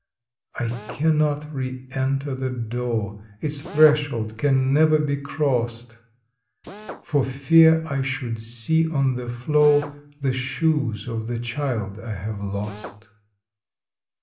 I cannot re enter the door; its threshold can never be crossed, For fear I should see on the floor the shoes of the child I have lost.